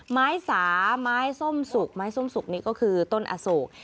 ไม้สาไม้ส้มสุกไม้ส้มสุกนี่ก็คือต้นอโศก